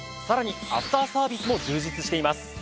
さらにアフターサービスも充実しています。